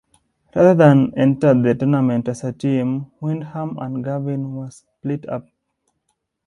Rather than enter the tournament as a team, Windham and Garvin were split up.